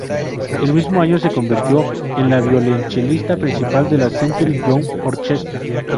El mismo año, se convirtió en la violonchelista principal de la Century Youth Orchestra.